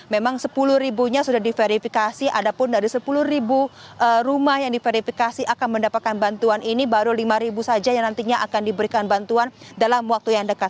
memang sepuluh ribunya sudah diverifikasi ada pun dari sepuluh ribu rumah yang diverifikasi akan mendapatkan bantuan ini baru lima saja yang nantinya akan diberikan bantuan dalam waktu yang dekat